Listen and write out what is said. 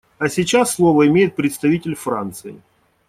А сейчас слово имеет представитель Франции.